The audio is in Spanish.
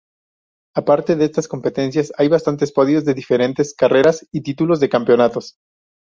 Aparte de estas competencias hay bastantes podios de diferentes, carreras y títulos de campeonatos.